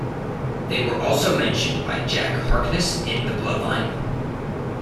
They were also mentioned by Jack Harkness in The Blood Line.